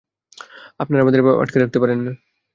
আপনার আমাদের এভাবে আটকাতে পারেন না।